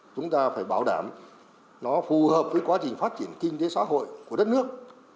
chúng ta phải bảo đảm nó phù hợp với quá trình phát triển kinh tế xã hội của đất nước